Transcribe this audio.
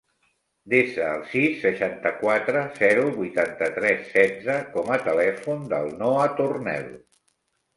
Desa el sis, seixanta-quatre, zero, vuitanta-tres, setze com a telèfon del Noah Tornel.